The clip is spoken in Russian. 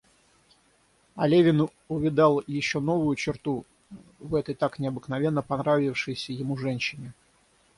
И Левин увидал еще новую черту в этой так необыкновенно понравившейся ему женщине.